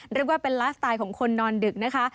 เรียกว่าเป็นไลฟ์สไตล์ของคนนอนดึกนะคะ